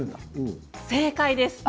正解です。